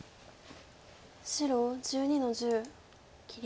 白１２の十切り。